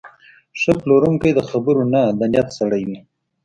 ښه پلورونکی د خبرو نه، د نیت سړی وي.